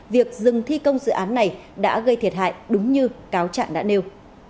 việc dừng thi công dự án này đã gây thiệt hại đúng như cáo trạng đã nêu